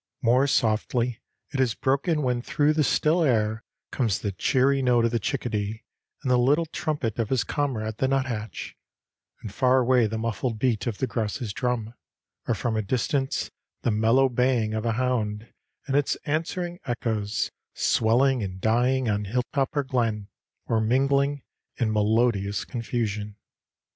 More softly it is broken when through the still air comes the cheery note of the chickadee and the little trumpet of his comrade the nuthatch and far away the muffled beat of the grouse's drum, or from a distance the mellow baying of a hound and its answering echoes, swelling and dying on hilltop or glen, or mingling in melodious confusion.